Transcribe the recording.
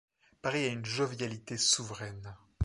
Paris a une jovialité souveraine.